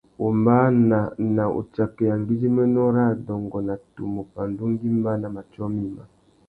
Wombāna na utsakeya ngüidjiménô râ adôngô na tumu pandú ngüima na matiō mïmá.